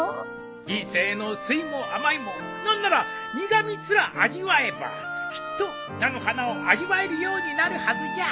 人生の酸いも甘いも何なら苦味すら味わえばきっと菜の花を味わえるようになるはずじゃ。